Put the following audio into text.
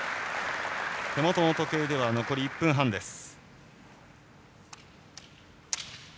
手元の時計では残り１分半です。